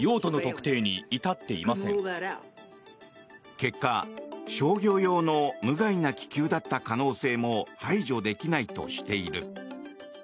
結果、商業用の無害な気球だった可能性も排除できないとしている。